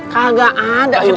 kagak ada ustadz